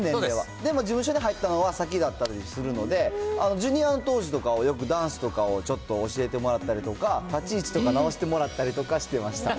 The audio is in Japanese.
でも事務所に入ったのは先だったりするので、ジュニアの当時とかはよくダンスとかをちょっと教えてもらったりとか、立ち位置とか直してもらったりとかしてました。